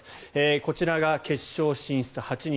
こちらが決勝進出、８人。